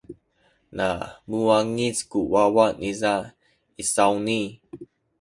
na muwangic ku wawa niza inasawni.